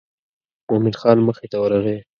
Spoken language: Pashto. مومن خان مخې ته ورغی.